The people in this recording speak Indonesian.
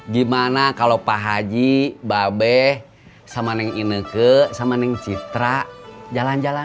gimana kalau pak haji mbak be sama dengan ineke sama dengan citra jalan jalan